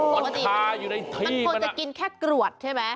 ปกติมันค่อยจะกินแค่กรวดใช่มั้ย